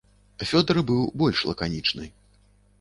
Фёдар быў больш лаканічны.